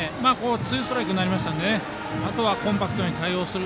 ツーストライクになりましたんであとはコンパクトに対応する。